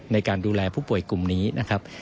ในการดูแลผู้ป่วยกลุ่มนี้นะครับ